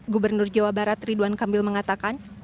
gubernur jawa barat ridwan kamil mengatakan